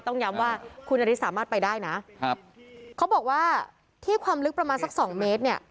ต้องย้ำว่าคุณนาริสสามารถไปได้นะครับเขาบอกว่าที่ความลึกประมาณสักสองเมตรเนี่ย